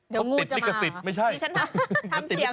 เดี๋ยวงูจะมาหรอติดมิกสิทธิ์ไม่ใช่ติดมิกสิทธิ์